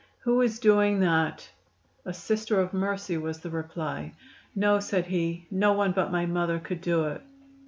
"Who is doing that?" "A Sister of Mercy," was the reply. "No," said he, "no one but my mother could do it."